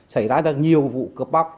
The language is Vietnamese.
xảy ra ra nhiều vụ cướp bóc